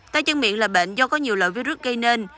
tay chân miệng là bệnh do có nhiều lợi virus gây nên